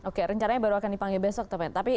oke rencananya baru akan dipanggil besok pak jokowi